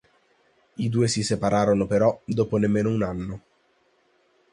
I due si separano però dopo nemmeno un anno.